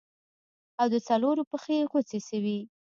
او د څلورو پښې غوڅې سوې.